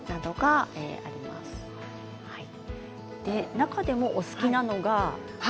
中でもお好きなものは？